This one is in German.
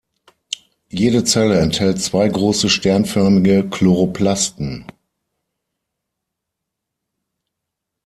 Jede Zelle enthält zwei große sternförmige Chloroplasten.